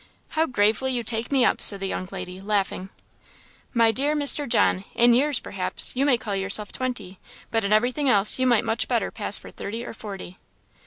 "How gravely you take me up!" said the young lady, laughing. "My dear Mr. John, 'in years perhaps,' you may call yourself twenty, but in everything else you might much better pass for thirty or forty."